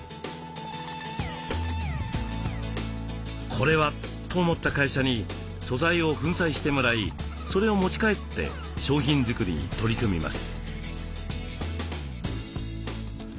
これはと思った会社に素材を粉砕してもらいそれを持ち帰って商品作りに取り組みます。